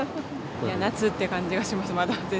夏って感じがします、まだ全